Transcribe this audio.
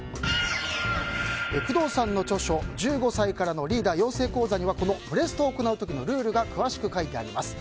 工藤さんの著書「１５歳からのリーダー養成講座」にはこのブレストを行う時のルールが詳しく書いてあります。